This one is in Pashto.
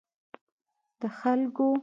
د خلګو